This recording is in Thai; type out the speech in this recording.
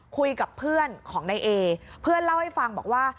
คุยกับเพื่อนของนายเอเพื่อนเล่าให้ฟังบอกว่า